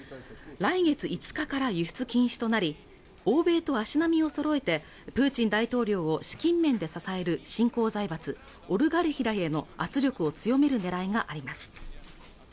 来月５日から輸出禁止となり欧米と足並みをそろえてプーチン大統領を資金面で支える新興財閥オリガルヒらへの圧力を強めるねらいがあります